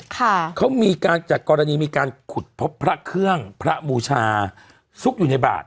ค่ะเขามีการจัดกรณีมีการขุดพบพระเครื่องพระบูชาซุกอยู่ในบาท